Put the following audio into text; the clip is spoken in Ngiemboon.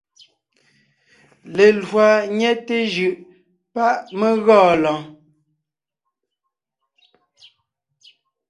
Lekwàʼ ńnyɛte jʉʼ páʼ mé gɔɔn lɔɔn.